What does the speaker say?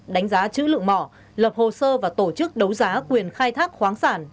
đánh giá chữ lượng mỏ lập hồ sơ và tổ chức đấu giá quyền khai thác khoáng sản